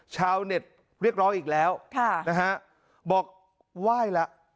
ชาวเน็ตเรียกร้องอีกแล้วนะฮะบอกไหว้แล้ว